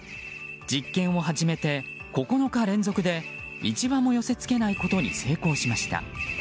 実験始めて９日連続で１羽も寄せ付けないことに成功しました。